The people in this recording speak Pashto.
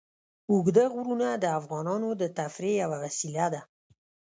اوږده غرونه د افغانانو د تفریح یوه وسیله ده.